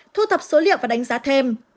thu thập số liệu và đánh giá thêm